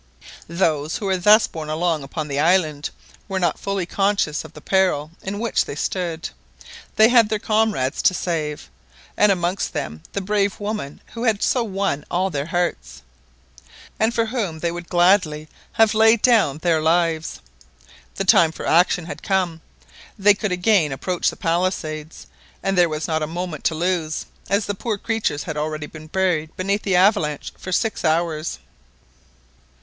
Those who were thus borne along upon the island were not fully conscious of the peril in which they stood. They had their comrades to save, and amongst them the brave woman who had so won all their hearts, and for whom they would gladly have laid down their lives. The time for action had come, they could again approach the palisades, and there was not a moment to lose, as the poor creatures had already been buried beneath the avalanche for six hours.